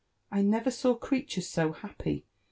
I never saw creatures so happy.